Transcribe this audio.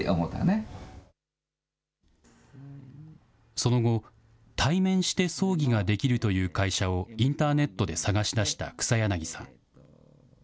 その後、対面して葬儀ができるという会社をインターネットで探し出した草柳さん。